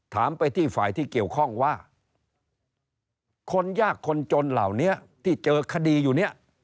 ถามไปที่ฝ่ายที่เกี่ยวข้องว่าคนยากคนจนเหล่านี้ที่เจอคดีอยู่เนี่ย